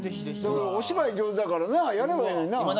お芝居上手だからやればいいのに。